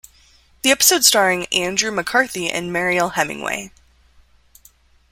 The episode starred Andrew McCarthy and Mariel Hemingway.